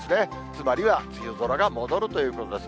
つまりは梅雨空が戻るということです。